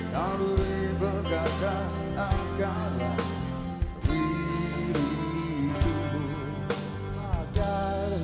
cukup cokup kaya dan bisa jadi